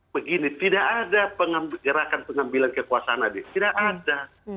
begini tidak ada gerakan pengambilan kekuasaan adil tidak ada